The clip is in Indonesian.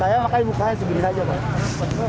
saya makanya buka segini aja pak